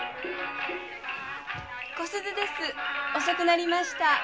遅くなりました。